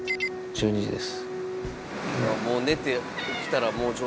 １時です。